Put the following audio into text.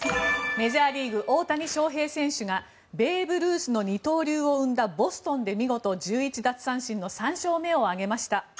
メジャーリーグ、大谷翔平選手がベーブ・ルースの二刀流を生んだボストンで見事、１１奪三振の３勝目を挙げました。